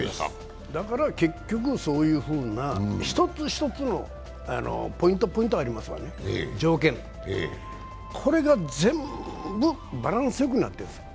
だから結局、そういうふうな１つ１つのポイント、ポイントありますわね、条件、これが全部バランスよくなっているんですよ。